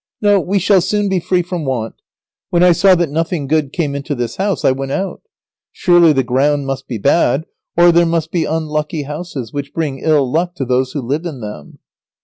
No, we shall soon be free from want. When I saw that nothing good came into this house I went out. Surely the ground must be bad, or there must be unlucky houses which bring ill luck to those who live in them."